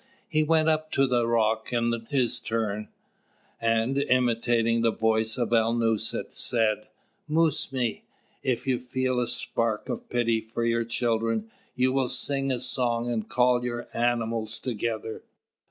He went up to the Rock in his turn, and, imitating the voice of Alnūset, said: "Mūs mī, if you feel a spark of pity for your children, you will sing a song and call your animals together."